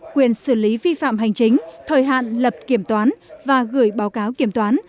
quyền xử lý vi phạm hành chính thời hạn lập kiểm toán và gửi báo cáo kiểm toán